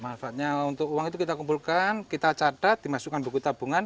manfaatnya untuk uang itu kita kumpulkan kita catat dimasukkan buku tabungan